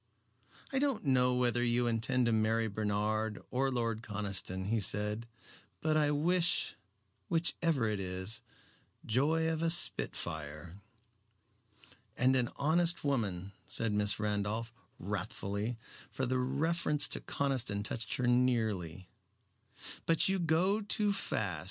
"I don't know whether you intend to marry Bernard or Lord Conniston," he said, "but I wish, which ever it is, joy of a spitfire." "And an honest woman," said Miss Randolph, wrathfully, for the reference to Conniston touched her nearly; "but you go too fast.